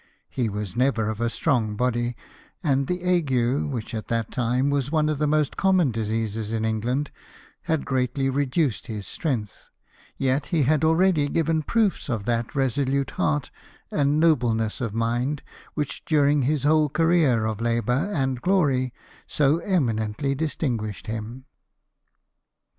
He was never of a strong body ; and the ague, which at that time was one of the most common diseases in England, had greatly reduced his strength ; yet he had already given proofs of that resolute heart and nobleness of mind, which, during his whole career of labour and of glory, so eminently distinguished him.